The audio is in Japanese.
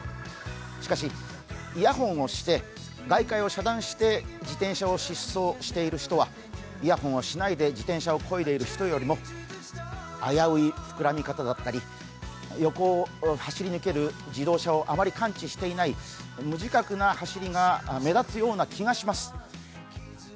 しかし、イヤホンをして外界を遮断して自転車を疾走している人は、イヤホンをしないで自転車をこいでいる人よりも危ういふくらみ方だったり、横を走り抜ける自動車をあまり感知していない無自覚な走りが目立つような気がします。